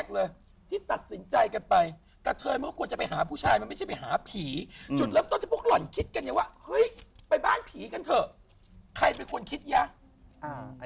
วันนี้มาให้กำลังใจซึ่งกันแล้วกัน